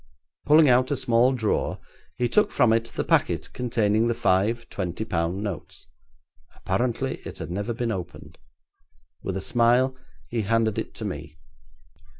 Pulling out a small drawer he took from it the packet containing the five twenty pound notes. Apparently it had never been opened. With a smile he handed it to me.